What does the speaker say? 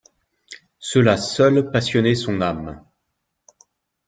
Cela seul passionnait son âme.